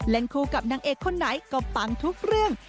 คู่กับนางเอกคนไหนก็ปังทุกเรื่อง